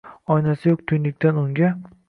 Oynasi yoʻq tuynukdan unga